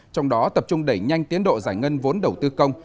trong đó tập trung đẩy nhanh tiến độ giải ngân vốn đầu tư công